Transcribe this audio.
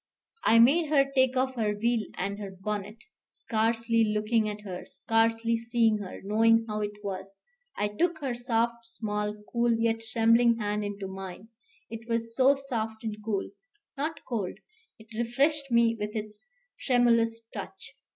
I made her take off her veil and her bonnet, scarcely looking at her, scarcely seeing her, knowing how it was: I took her soft, small, cool, yet trembling hand into mine; it was so soft and cool, not cold, it refreshed me with its tremulous touch.